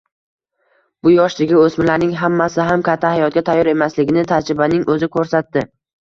Bu yoshdagi oʻsmirlarning hammasi ham katta hayotga tayyor emasligini tajribaning oʻzi koʻrsatdi.